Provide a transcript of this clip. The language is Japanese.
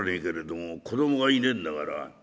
も子供がいねえんだから